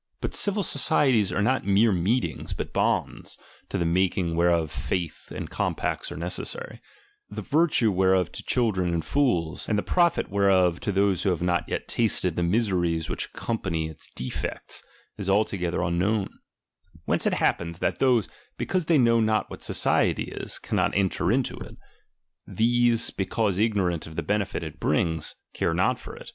But civil societies are not mere meetings, but bonds, to the making whereof faith and compacts are necessary ; the virtue whereof to children and fools, and the profit whereof to those who have not yet tasted the misenes which accompany its defects, is altogether un known ; whence it happens, that those, because they know not what society is, cannot enter into it ; these, because ignorant of the benefit it brings, care not for it.